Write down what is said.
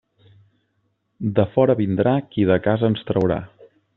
De fora vindrà qui de casa ens traurà.